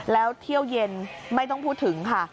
แล้วเที่ยวเย็นไม่ต้องพูดถึงค่ะ